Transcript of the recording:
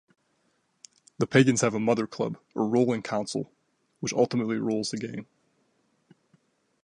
The Pagans have a mother club or ruling council which ultimately rules the gang.